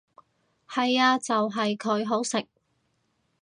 係呀就係佢，好食！